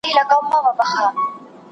¬ کار چا وکی، چي تمام ئې کی.